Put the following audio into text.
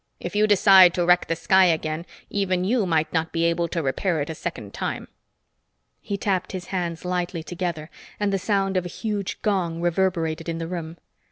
If you decided to wreck the sky again, even you might not be able to repair it a second time." He tapped his hands lightly together and the sound of a huge gong reverberated in the room.